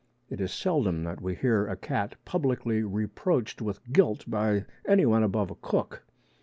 It is seldom that we hear a cat publicly reproached with guilt by anyone above a cook.